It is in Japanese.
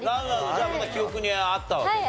じゃあまだ記憶にあったわけね。